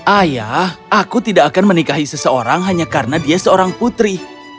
ayah aku tidak akan menikahi seseorang hanya karena dia seorang putri